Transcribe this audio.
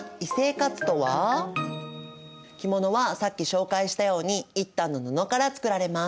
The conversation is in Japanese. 着物はさっき紹介したように一反の布から作られます。